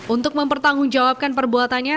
untuk mempertanggungjawabkan perbuatannya